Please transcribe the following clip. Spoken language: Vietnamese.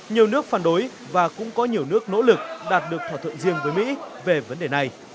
nhiều nước phản đối và cũng có nhiều nước nỗ lực đạt được thỏa thuận riêng với mỹ về vấn đề này